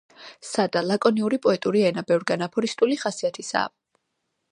სადა, ლაკონიური პოეტური ენა ბევრგან აფორისტული ხასიათისაა.